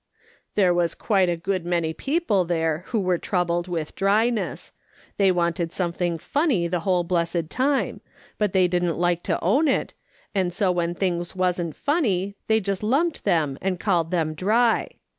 " There was quite a good many people there wlio d2 36 AfRS. SOLOMON SMITH LOOKING ON svere troubled with dryness. They wanted some thing funny the wliole blessed time, but they diilii't like to own it, and so when things wasn't funny they just lumped them and called 'em 'dry.'